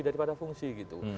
daripada fungsi gitu